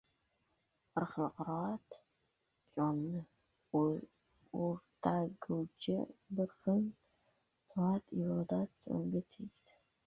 Bir xil qiroat, jonni o‘rtaguvchi bir xil «toat-ibodat» jonga tegdi…